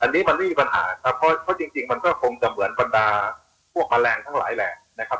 อันนี้มันไม่มีปัญหาครับเพราะจริงมันก็คงจะเหมือนบรรดาพวกแมลงทั้งหลายแหล่งนะครับ